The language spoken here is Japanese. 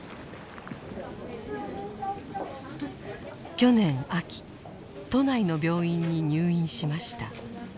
去年秋都内の病院に入院しました。